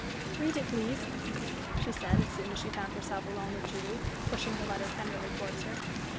"Read it, please," she said, as soon as she found herself alone with Julie, pushing her letter tenderly towards her.